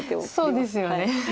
そうですよね。